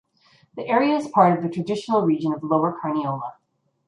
The area is part of the traditional region of Lower Carniola.